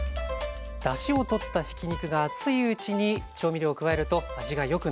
だしをとったひき肉が熱いうちに調味料を加えると味がよくなじみます。